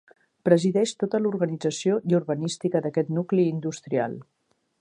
Presideix tota l'organització i urbanística d'aquest nucli industrial.